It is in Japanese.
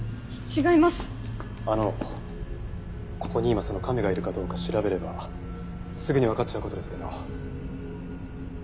あのここに今その亀がいるかどうか調べればすぐにわかっちゃう事ですけど。